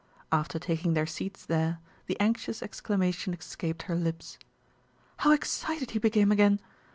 After taking their seats there, the anxious exclamation escaped her lips: "How excited he became again!